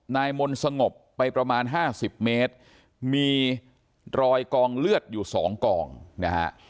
นายมนต์สงบไปประมาณ๕๐เมตรมีรอยกองเลือดอยู่สองกองนะฮะ